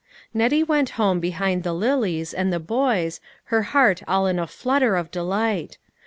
Nettie went home behind the lilies and the boys, her heart all in a flutter of delight.